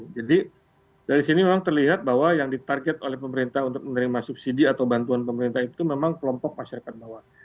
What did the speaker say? jadi dari sini memang terlihat bahwa yang ditarget oleh pemerintah untuk menerima subsidi atau bantuan pemerintah itu memang kelompok masyarakat bawah